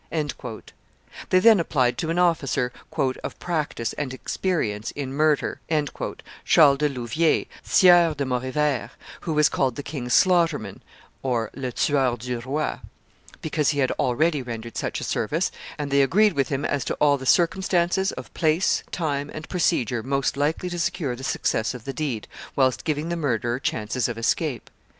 They then applied to an officer "of practice and experience in murder," Charles de Louviers, Sieur de Maurevert, who was called the king's slaughterman (le tueur du roi), because he had already rendered such a service, and they agreed with him as to all the circumstances of place, time, and procedure most likely to secure the success of the deed, whilst giving the murderer chances of escape.